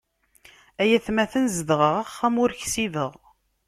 Ay atmaten zedɣeɣ axxam ur ksibeɣ.